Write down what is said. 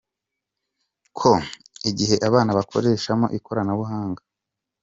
ko igihe abana bakoreshamo ikoranabuhanga.